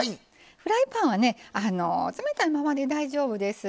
フライパンはね冷たいままで大丈夫です。